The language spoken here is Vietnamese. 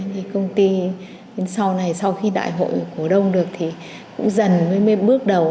thì công ty đến sau này sau khi đại hội cổ đông được thì cũng dần mới mới bước đầu